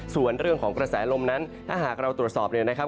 ส่วนเรื่องของกระแสลมนั้นถ้าหากเราตรวจสอบเนี่ยนะครับ